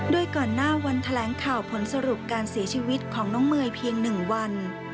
โดยก่อนหน้าวันแถลงข่าวผลสรุปการเสียชีวิตของน้องเมย์เพียง๑วัน